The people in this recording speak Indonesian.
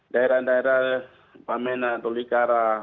daerah daerah wamena tolikara